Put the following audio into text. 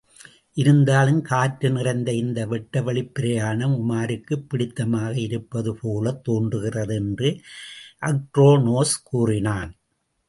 இருந்தாலும், காற்று நிறைந்த இந்த வெட்டவெளிப் பிரயாணம் உமாருக்குப் பிடித்தமாக இருப்பது போலத் தோன்றுகிறது என்று அக்ரோனோஸ் கூறினான்.